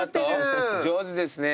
上手ですね